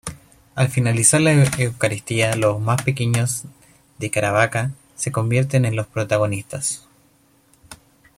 Al finalizar la Eucaristía, los más pequeños de Caravaca se convierten en los protagonistas.